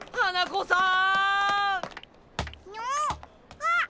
あっ！